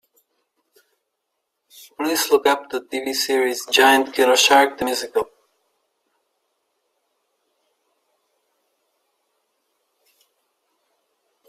Please look up the TV series Giant Killer Shark: The Musical.